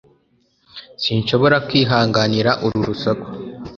Sinshobora kwihanganira uru rusaku